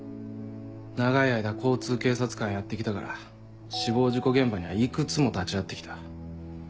長い間交通警察官やって来たから死亡事故現場にはいくつも立ち会って来た。